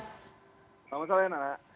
selamat sore nara